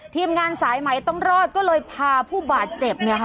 ทีมงานสายไหมต้องรอดก็เลยพาผู้บาดเจ็บเนี่ยค่ะ